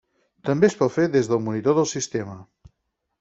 També es pot fer des del monitor del sistema.